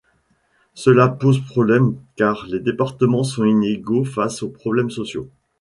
Cela pose problème car les départements sont inégaux face aux problèmes sociaux.